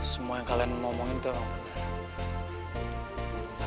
semua yang kalian ngomongin tuh emang bener